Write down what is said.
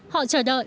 họ chờ đợi